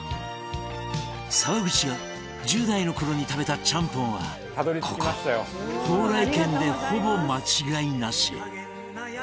沢口が１０代の頃に食べたちゃんぽんはここ宝来軒でほぼ間違いなし